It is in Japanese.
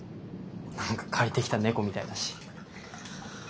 何か借りてきた猫みたいだし。